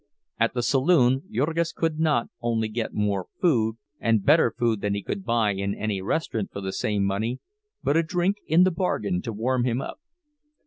At the saloon Jurgis could not only get more food and better food than he could buy in any restaurant for the same money, but a drink in the bargain to warm him up.